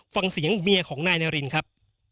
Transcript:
ฟังเสียงเมียของนายนารินครับ